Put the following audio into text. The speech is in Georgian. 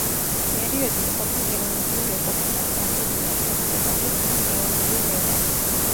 პერიოდი იყოფა გეოლოგიურ ეპოქებად; რამდენიმე ერთობლიობა კი ქმნის გეოლოგიურ ერას.